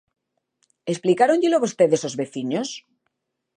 ¿Explicáronllelo vostedes aos veciños?